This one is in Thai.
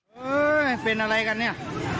เอ้ยเป็นอะไรกันเนี่ย